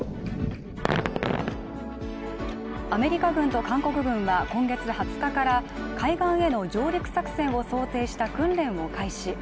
アメリカ軍と韓国軍は、今月２０日から海岸への上陸作戦を想定した訓練を開始。